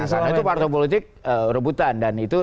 karena itu partai politik rebutan dan itu